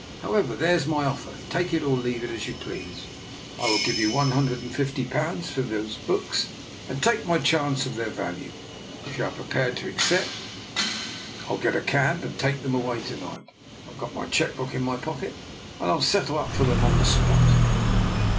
However, there's my offer. Take it or leave it as you please. I will give you one hundred and fifty pounds for those books, and take my chance of their value. If you are pre pared to accept, I'll get a cab and take them away to night. I've got my cheque book in my pocket, and I'll settle up for them on the spot."